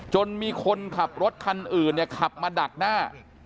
จนมีคนขับรถคันอื่นเนี่ยขับมาดักหน้า